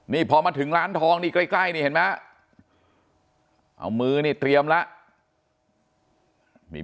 นี่พอมาถึงร้านทองนี่ใกล้นี่เห็นไหมเอามือนี่เตรียมแล้ว